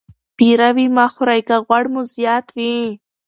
پیروي مه خورئ که غوړ مو زیات وي.